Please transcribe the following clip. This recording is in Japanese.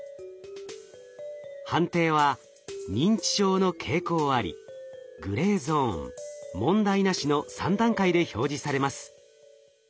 判定は「認知症の傾向あり」「グレーゾーン」「問題なし」の３段階で表示されます。